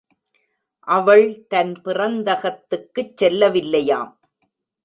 அவள் தன் பிறந்தகத்துக்குச் செல்லவில்லையாம்!